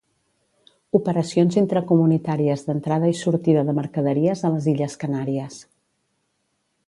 Operacions intracomunitàries d'entrada i sortida de mercaderies a les illes Canàries.